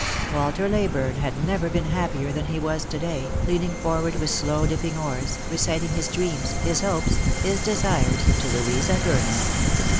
Walter Leyburne had never been happier than he was to day, leaning forward with slow dipping oars, reciting his dreams, his hopes, his desires to Louisa Gurner.